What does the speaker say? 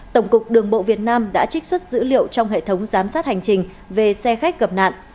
tổng cục đường bộ việt nam đã trích xuất dữ liệu trong hệ thống giám sát hành trình về xe khách gặp nạn